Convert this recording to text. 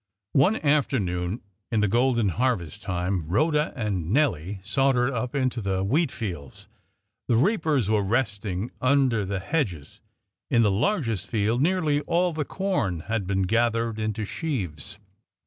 One afternoon, in the golden harvest time, Rhoda and Nelly sauntered up into the wheat fields. The reapers were resting under the hedges; in the largest field nearly all the corn had been gathered into sheaves.